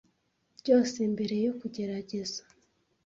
Byose mbere yo kugerageza ;